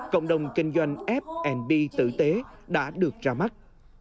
cộng đồng kinh doanh f d tử tế đã được ra mắt